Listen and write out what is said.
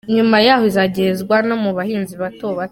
Nyuma yaho, izagezwa no mu bahinzi bato bato.